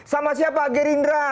sama siapa gerindra